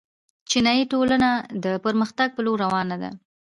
چینايي ټولنه د پرمختګ په لور روانه ده.